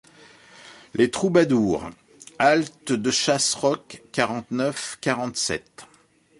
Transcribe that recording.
Les troubadours. ― Halte de chasse Roques quarante-neuf quarante-sept.